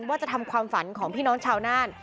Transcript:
ว่าจะทำความฝันของพี่น้องชาวน่าน